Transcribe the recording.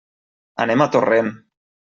Anem a Torrent.